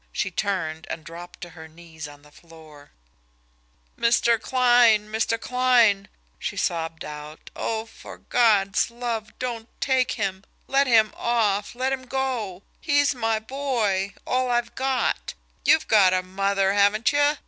She turned, and dropped to her knees on the floor. "Mr. Kline, Mr. Kline," she sobbed out, "oh, for God's love, don't take him! Let him off, let him go! He's my boy all I've got! You've got a mother, haven't you?